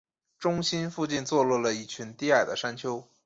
中心附近坐落了一群低矮的山丘。